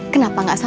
kenapa gak sama